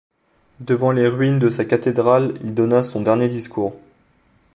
Devant les ruines de sa cathédrale, il donna son dernier discours.